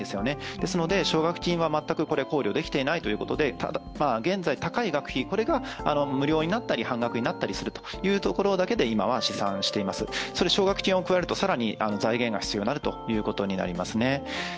ですので奨学金は全く考慮できていないということで現在、高い学費、これが無料になったり半額になったりするということで今は試算しています、それに奨学金を加えると更に財源が必要になるということになります。